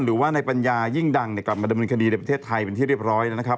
หรือว่าในปัญญายิ่งดังเนี่ยกลับมาดำเนินคดีในประเทศไทยเป็นที่เรียบร้อยนะครับ